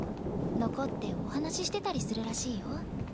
残ってお話ししてたりするらしいよ。